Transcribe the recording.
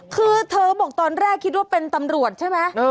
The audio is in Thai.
คือเธอบอกตอนแรกคิดว่าเป็นตำรวจใช่ไหม